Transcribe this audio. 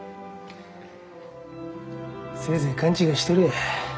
せいぜい勘違いしてろや。